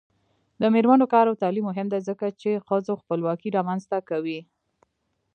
د میرمنو کار او تعلیم مهم دی ځکه چې ښځو خپلواکي رامنځته کوي.